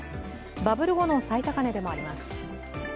バブル後の最高値でもあります。